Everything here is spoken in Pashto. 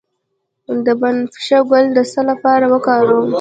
د بنفشه ګل د څه لپاره وکاروم؟